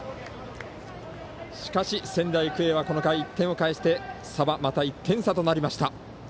しかし仙台育英はこの回１点を返して差は、また１点差となりました。